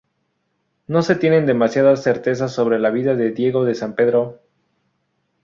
No se tienen demasiadas certezas sobre la vida de Diego de San Pedro.